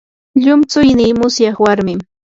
llumtsuynii musyaq warmin.